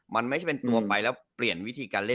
มันไม่ใช่เป็นตัวไปแล้วเปลี่ยนวิธีการเล่น